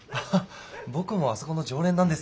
僕もあそこの常連なんですよ。